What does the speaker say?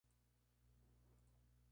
Pintor, Ilustrador y Músico.